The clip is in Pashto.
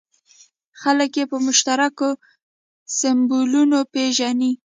خلک یې په مشترکو سیمبولونو پېژني.